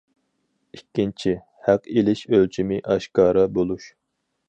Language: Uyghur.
ئىككىنچى، ھەق ئېلىش ئۆلچىمى ئاشكارا بولۇش.